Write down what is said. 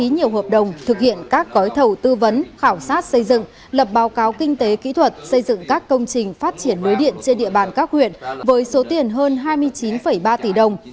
nhiều hợp đồng thực hiện các gói thầu tư vấn khảo sát xây dựng lập báo cáo kinh tế kỹ thuật xây dựng các công trình phát triển lưới điện trên địa bàn các huyện với số tiền hơn hai mươi chín ba tỷ đồng